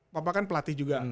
papa kan pelatih juga